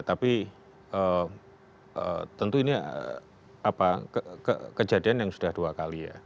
tapi tentu ini kejadian yang sudah dua kali ya